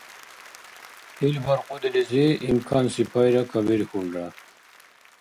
Ил баркьудилизи имканси пайра кабирхьулра.